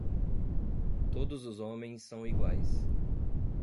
Todos os homens são iguais.